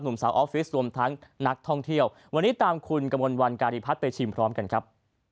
สาวออฟฟิศรวมทั้งนักท่องเที่ยววันนี้ตามคุณกระมวลวันการิพัฒน์ไปชิมพร้อมกันครับ